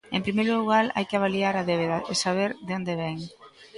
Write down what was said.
En primeiro lugar hai que avaliar a débeda, saber de onde vén.